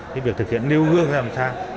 thì việc thực hiện nêu gương làm sao